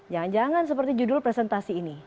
jangan jangan seperti judul presentasi ini